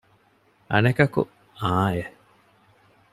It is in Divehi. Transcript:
އަނެކަކު އާނއެއް